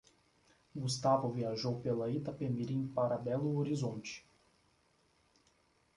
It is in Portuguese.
Gustavo viajou pela Itapemirim para Belo Horizonte.